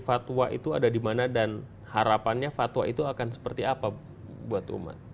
fatwa itu ada di mana dan harapannya fatwa itu akan seperti apa buat umat